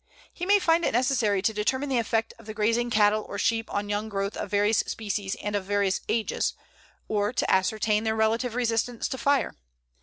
He may find it necessary to determine the effect of the grazing of cattle or sheep on young growth of various species and of various ages, or to ascertain their relative resistance to fire.